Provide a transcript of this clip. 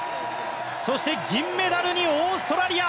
そして、銀メダルにオーストラリア。